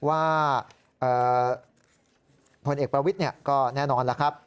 ว่าผลเอกประวิทย์ก็แน่นอนแล้วครับ